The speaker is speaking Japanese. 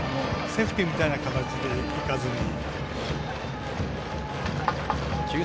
セーフティーみたいな形でいかずに。